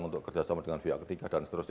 untuk kerjasama dengan pihak ketiga dan seterusnya